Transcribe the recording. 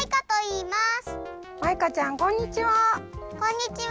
マイカちゃんこんにちは！